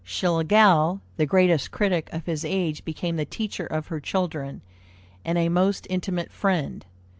Schlegel, the greatest critic of his age, became the teacher of her children, and a most intimate friend.